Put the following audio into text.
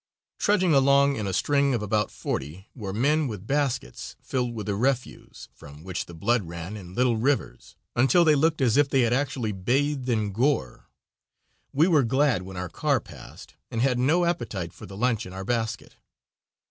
Trudging along in a string of about forty were men with baskets filled with the refuse, from which the blood ran in little rivers, until they looked as if they had actually bathed in gore. We were glad when our car passed, and had no appetite for the lunch in our basket.